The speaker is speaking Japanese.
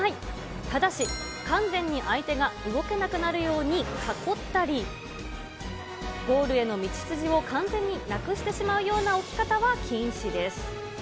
ただし、完全に相手が動けなくなるように囲ったり、ゴールへの道筋を完全になくしてしまうような置き方は禁止です。